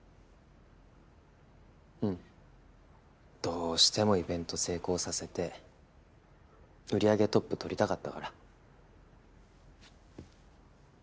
うん。どうしてもイベント成功させて売り上げトップとりたかったから。